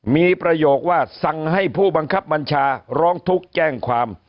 มีประโยคว่าสั่งให้ผู้บังคับบัญชาร้องทุกข์แจ้งความ